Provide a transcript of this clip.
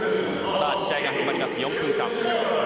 試合が始まります、４分間。